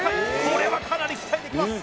これはかなり期待できます